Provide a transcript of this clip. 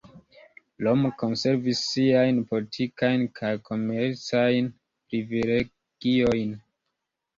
Romo konservis siajn politikajn kaj komercajn privilegiojn.